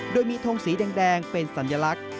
โดยมีทงสีแดงเป็นสัญลักษณ์